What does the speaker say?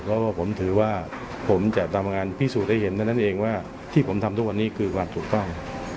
เพราะว่าผมถือว่าผมจะทำงานพิสูจน์ให้เห็นเท่านั้นเองว่าที่ผมทำทุกวันนี้คือความถูกต้อง